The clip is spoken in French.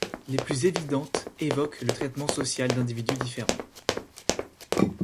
Les plus évidentes évoquent le traitement social d'individus différents.